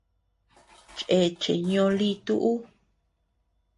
Chéche ñóo lítu ú.